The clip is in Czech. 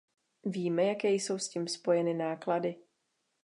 Víme, jaké jsou s tím spojeny náklady.